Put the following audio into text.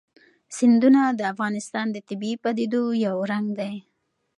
سیندونه د افغانستان د طبیعي پدیدو یو رنګ دی.